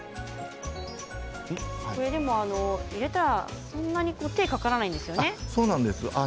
入れたらそれ程、手がかからないんですよね。